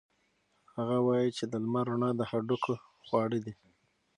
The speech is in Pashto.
هغه وایي چې د لمر رڼا د هډوکو خواړه دي.